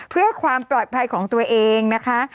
เพื่อความปลอดภัยของตัวเองนะคะ